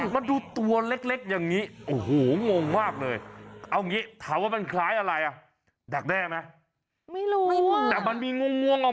มันคือแน่ของด้วงกว่างอะไรอย่างนี้เหรอ